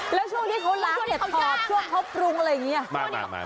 แล้วช่วงที่เขาล้างเห็ดถอบช่วงเขาปรุงอะไรอย่างนี้